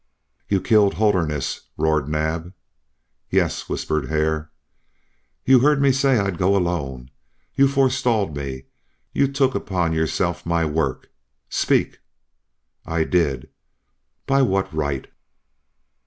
"You killed Holderness?" roared Naab. "Yes," whispered Hare. "You heard me say I'd go alone? You forestalled me? You took upon yourself my work?... Speak." "I did." "By what right?"